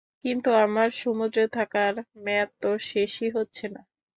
কিন্তু আমার সমুদ্রে থাকার মেয়াদ তো শেষই হচ্ছেনা!